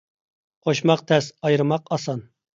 قوشماق تەس، ئايرىماق ئاسان.